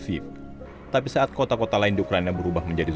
jika bukan untuk anakku saya tidak akan berada di sini